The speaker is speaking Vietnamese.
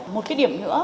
một điểm nữa